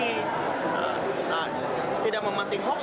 jadi tidak memantik hoaks dan tidak memantik hoaks